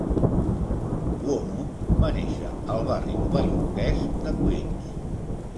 Cuomo va néixer al barri novaiorquès de Queens.